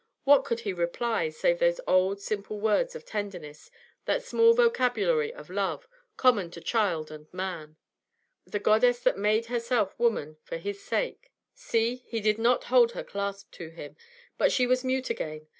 What could he reply, save those old, simple words of tenderness, that small vocabulary of love, common to child and man? The goddess that made herself woman for his sake see, did he not hold her clasped to him! But she was mute again.